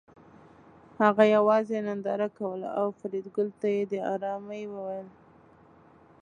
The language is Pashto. هغه یوازې ننداره کوله او فریدګل ته یې د ارامۍ وویل